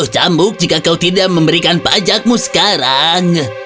lima puluh cambuk jika kau tidak memberikan pajakmu sekarang